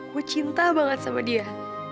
gue cinta banget sama dia